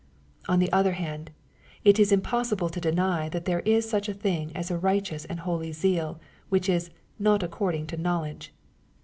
On the other hand, it is impossible to deny that there is such a thing as a righteous and holy zeal, which is ^^ not according to knowledge."